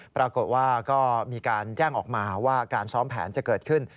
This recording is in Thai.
ปรากฏว่าก็มีการแจ้งออกมาว่าการซ้อมแผนจะเกิดขึ้น